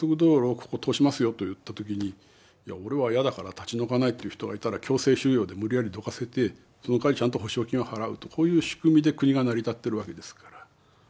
ここ通しますよといった時に俺は嫌だから立ち退かないという人がいたら強制収用で無理やりどかせてそのかわりちゃんと補償金を払うとこういう仕組みで国が成り立ってるわけですから。